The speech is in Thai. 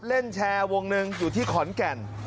เล่นแชร์วงหนึ่งอยู่ที่ขอนแก่น